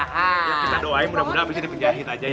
kita doain mudah mudahan habis ini penjahit aja ya